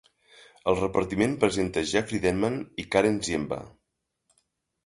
El repartiment presenta Jeffry Denman i Karen Ziemba.